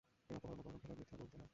এই অপহরণ অপহরণ খেলায় মিথ্যা বলতে হয়।